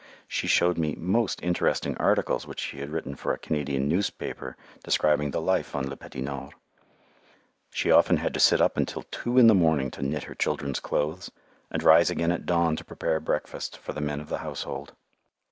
She showed me most interesting articles which she had written for a Canadian newspaper describing the life on Le Petit Nord. She often had to sit up until two in the morning to knit her children's clothes, and rise again at dawn to prepare breakfast for the men of the household.